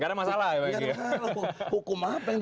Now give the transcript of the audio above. gak ada masalah ya pak egy